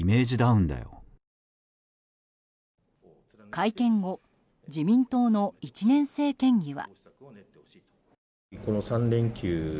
会見後自民党の１年生県議は。